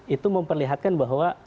itu memperlihatkan bahwa